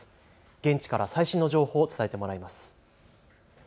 現地から最新の情報を伝えてもらいます。